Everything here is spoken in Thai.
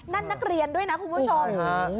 นักเรียนด้วยนะคุณผู้ชม